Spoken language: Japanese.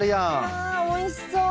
うわおいしそう。